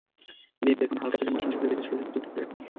Beef bacon হালকা তেলে মুচমুচে করে ভেজে ছোট ছোট টুকরো করে রাখুন।